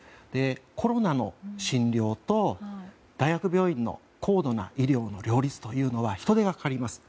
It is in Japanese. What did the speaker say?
コロナの診療と大学病院の高度な医療の両立というのは人手がかかります。